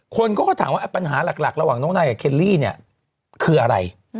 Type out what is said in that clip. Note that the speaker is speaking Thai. คนเขาก็ถามว่าปัญหาหลักระหว่างน้องนายกับเคลลี่เนี่ยคืออะไร